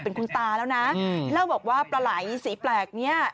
เป็นคุณตาแล้วนะเล่าบอกว่าปลาไหล่สีแปลกเนี้ย